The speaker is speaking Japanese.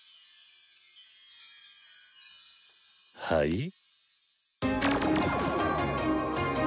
はい？